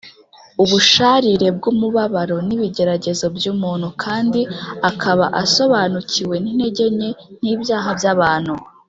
ubusharire bw’umubabaro n’ibigeragezo by’umuntu, kandi akaba asobanukiwe n’intege nke n’ibyaha by’abantu